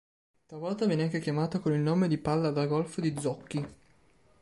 Talvolta viene anche chiamato con il nome di "Palla da golf di Zocchi".